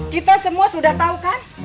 kita semua sudah tahu kan